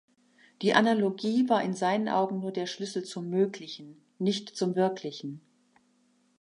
Die Analogie war in seinen Augen nur der Schlüssel zum Möglichen, nicht zum Wirklichen.